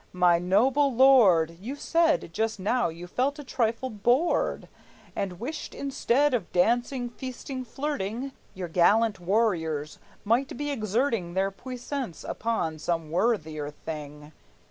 My noble lord, You said just now you felt a trifle bored, And wished, instead of dancing, feasting, flirting, Your gallant warriors might be exerting Their puissance upon some worthier thing.